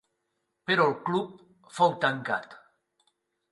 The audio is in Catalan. Però el club fou tancat.